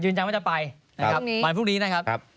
ยืนจังมาก็จะไปปันพรุ่งนี้นะครับ